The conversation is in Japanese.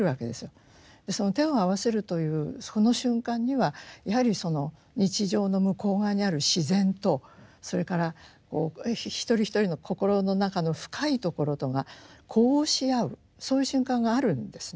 その手を合わせるというその瞬間にはやはりその日常の向こう側にある自然とそれから一人一人の心の中の深いところとが呼応し合うそういう瞬間があるんですね。